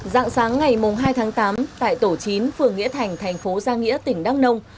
dạng sáng ngày hai tháng tám tại tổ chín phường nghĩa thành thành phố giang nghĩa tỉnh đắk nông